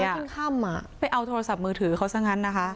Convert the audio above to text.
อ๋อหาเท่าขึ้นข้ามอ่ะไปเอาโทรศัพท์มือถือเขาซะงั้นนะคะ